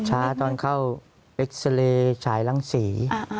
ตอนเข้าเอ็กซาเรย์ฉายรังสี